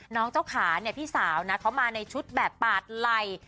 น้องเจ้าขาเนี่ยพี่สาวนะเขามาในชุดแบบปาดไหล่